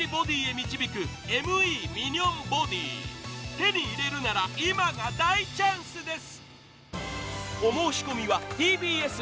手に入れるなら今が大チャンスです。